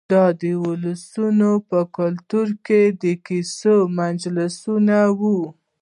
د ولسونو په کلتور کې د کیسو مجلسونه وو.